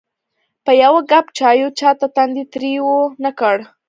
په یوه کپ چایو چاته تندی تریو نه کړ.